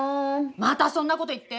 またそんなこと言って！